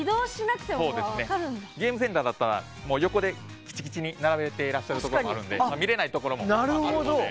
ゲームセンターだったら横でぎちぎちに並べてらっしゃるところもあるので見られないところもあるので。